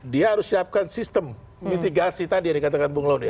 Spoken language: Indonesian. dia harus siapkan sistem mitigasi tadi yang dikatakan bung laude